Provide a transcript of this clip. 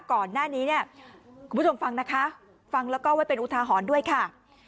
ก่อนหน้านี้เนี่ยคุณผู้ชมฟังนะคะฟังแล้วก็ไว้เป็นอุทาหรณ์ด้วยค่ะ